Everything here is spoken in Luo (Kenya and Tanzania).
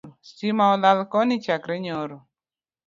Stima olal Koni chakre nyoro